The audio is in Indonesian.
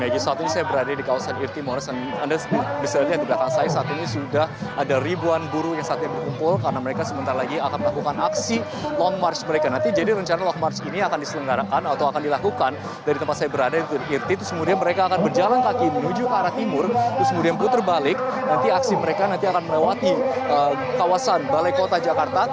jalan medan merdeka selatan menutup menuju ke arah timur kemudian putar balik nanti aksi mereka akan melewati kawasan balai kota jakarta